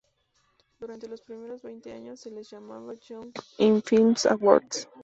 Durante los primeros veinte años, se les llamaba "Youth In Film Awards".